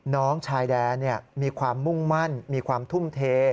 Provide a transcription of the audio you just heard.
น้องชายแดนมีความมุ่งมั่นมีความทุ่มเท